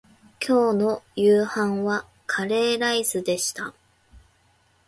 今日の夕飯はカレーライスでした